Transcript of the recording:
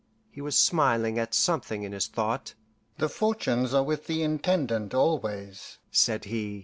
He was smiling at something in his thought. "The fortunes are with the Intendant always," said he.